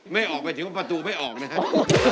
ไม่ออกหมายถึงว่าประตูไม่ออกนะครับ